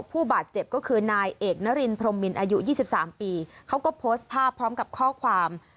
ผู้บาดเจ็บก็คือนายเอกนรินพรมมินอายุ๒๓ปีเขาก็โพสต์ภาพพร้อมกับข้อความ